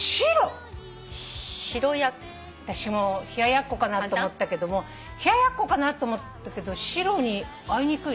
冷ややっこかなと思ったけども冷ややっこかなと思ったけど白に合いにくい。